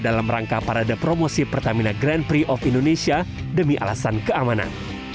dalam rangka parade promosi pertamina grand prix of indonesia demi alasan keamanan